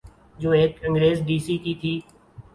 جو ایک انگریز ڈی سی کی تھی۔